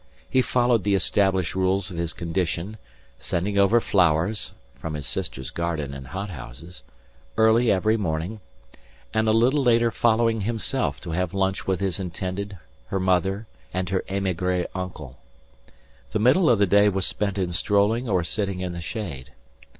He followed the established rules of his condition, sending over flowers (from his sister's garden and hothouses) early every morning, and a little later following himself to have lunch with his intended, her mother, and her émigré uncle. The middle of the day was spent in strolling or sitting in the shade.